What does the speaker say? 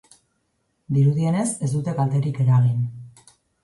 Dirudienez, ez dute kalterik eragin.